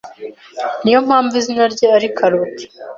Niyo mpamvu izina rye ari Karoti.